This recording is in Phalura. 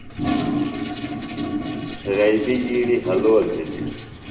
غیبیۡ ییڑیۡ حلول بِھلیۡ۔